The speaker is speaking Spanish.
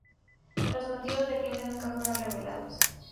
Los motivos del crimen nunca fueron revelados.